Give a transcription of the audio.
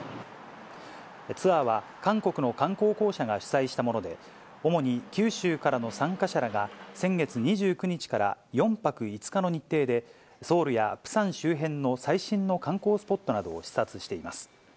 ツアーは韓国の観光公社が主催したもので、主に九州からの参加者らが、先月２９日から４泊５日の日程で、ソウルやプサン周辺の最新の観光スポットなどを視察しています。